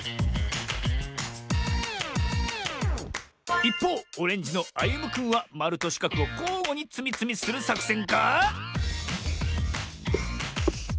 いっぽうオレンジのあゆむくんはまるとしかくをこうごにつみつみするさくせんか？